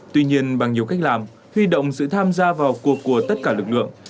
tuy nhiên bằng nhiều cách làm huy động sự tham gia vào cuộc của tất cả lực lượng